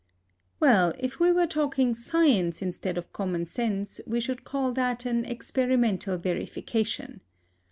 Well, if we were talking science instead of common sense, we should call that an experimental verification.